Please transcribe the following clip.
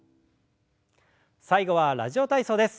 最後は「ラジオ体操」です。